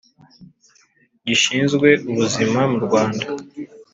gishinzwe Ubuzima mu Rwanda